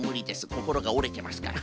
こころがおれてますから。